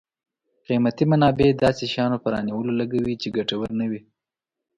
قیمتي منابع داسې شیانو په رانیولو لګوي چې ګټور نه وي.